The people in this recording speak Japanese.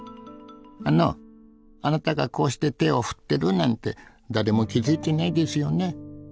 あのあなたがこうして手を振ってるなんて誰も気付いてないですよね？